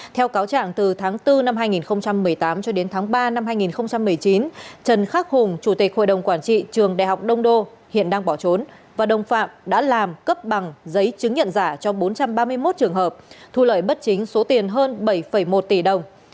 theo cáo trạng từ tháng bốn năm hai nghìn một mươi tám cho đến tháng ba năm hai nghìn một mươi chín trần khắc hùng chủ tịch hội đồng quản trị trường đại học đông đô hiện đang bỏ trốn và đồng phạm đã làm cấp bằng giấy chứng nhận giả cho bốn trăm ba mươi một trường hợp thu lợi bất chính số tiền hơn bảy một tỷ đồng